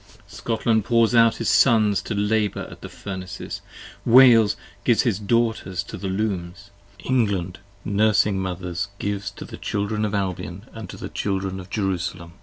Scotland pours out his Sons to labour at the Furnaces: Wales gives his Daughters to the Looms; England, nursing Mothers Gives to the Children of Albion & to the Children of Jerusalem.